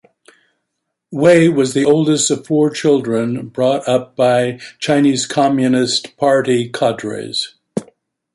Wei was the oldest of four children, brought up by Chinese Communist Party cadres.